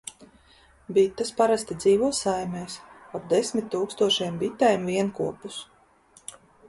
Bites parasti dzīvo saimēs - ap desmit tūkstošiem bitēm vienkopus.